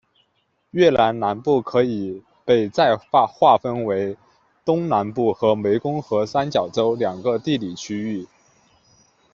越南南部可以被再划分为东南部和湄公河三角洲两个地理区域。